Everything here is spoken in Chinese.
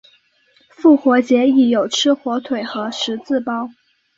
复活节亦有吃火腿和十字包。